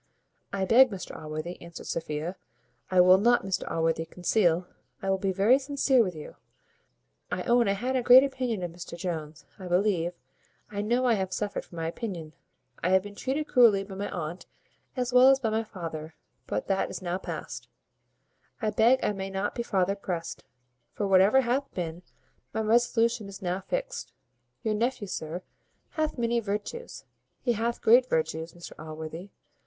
"I beg, Mr Allworthy," answered Sophia, "you will not insist on my reasons; yes, I have suffered indeed; I will not, Mr Allworthy, conceal I will be very sincere with you I own I had a great opinion of Mr Jones I believe I know I have suffered for my opinion I have been treated cruelly by my aunt, as well as by my father; but that is now past I beg I may not be farther pressed; for, whatever hath been, my resolution is now fixed. Your nephew, sir, hath many virtues he hath great virtues, Mr Allworthy.